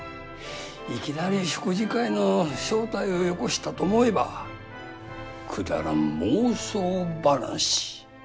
いきなり食事会の招待をよこしたと思えばくだらん妄想話。